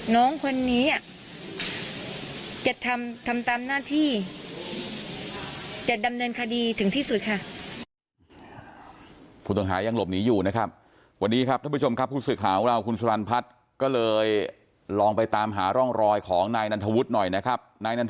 น้องคนนี้จะทำตามหน้าที่